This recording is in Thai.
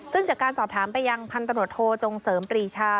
ซึ่งจากการสอบถามไปยังพันตรวจโทจงเสริมปรีชา